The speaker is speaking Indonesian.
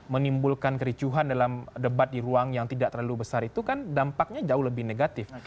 menimbulkan kericuhan dalam debat di ruang yang tidak terlalu besar itu kan dampaknya jauh lebih negatif